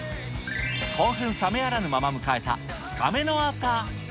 興奮冷めやらぬまま迎えた２日目の朝。